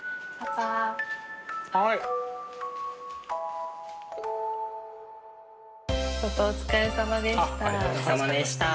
パパお疲れさまでした。